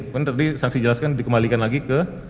kan tadi saksi jelaskan dikembalikan lagi ke